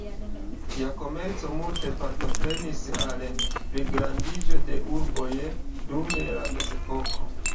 Tia komerco multe partoprenis al pligrandiĝo de urboj dum la mezepoko.